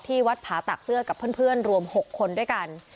วัดผาตากเสื้อกับเพื่อนรวม๖คนด้วยกัน